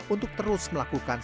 untuk terus melakukan sejarah